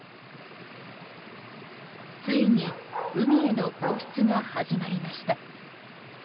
ついに海への放出が始まりました。